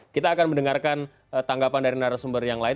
kita akan mendengarkan tanggapan dari narasumber yang lain